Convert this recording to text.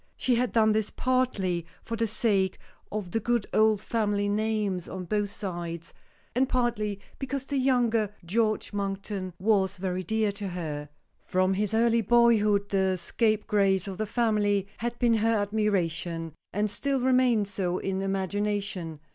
She had done this, partly for the sake of the good old family names on both sides, and partly because the younger George Monkton was very dear to her. From his early boyhood the scapegrace of the family had been her admiration, and still remained so, in imagination.